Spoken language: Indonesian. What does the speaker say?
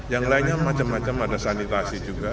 yang lainnya macam macam ada sanitasi juga